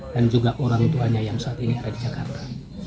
dan juga orang tuanya yang saat ini ada di jakarta